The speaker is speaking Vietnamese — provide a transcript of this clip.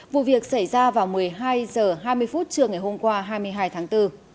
vụ việc xảy ra vào một mươi hai h hai mươi phút trưa ngày hôm qua hai mươi hai tháng bốn